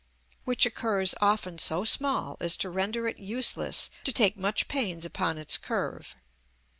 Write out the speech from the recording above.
which occurs often so small as to render it useless to take much pains upon its curve.